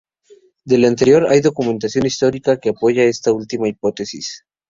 De lo anterior hay documentación histórica que apoya esta última hipótesis.